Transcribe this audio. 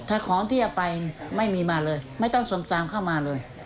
ถ้าของที่จะไปไม่มีมาเลยไม่ต้องสมจางเข้ามาเลย